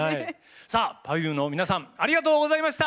さあＰｅｒｆｕｍｅの皆さんありがとうございました。